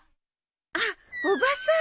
あっおばさん。